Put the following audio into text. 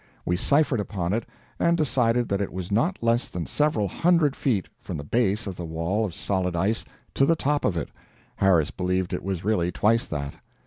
We ciphered upon it and decided that it was not less than several hundred feet from the base of the wall of solid ice to the top of it Harris believed it was really twice that.